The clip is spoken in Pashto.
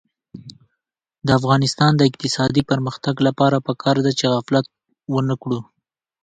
د افغانستان د اقتصادي پرمختګ لپاره پکار ده چې غفلت ونکړو.